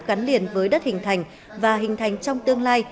gắn liền với đất hình thành và hình thành trong tương lai